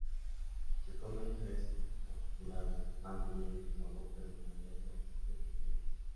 Se come fresco o curado, manteniendo su sabor pero cambiando de textura.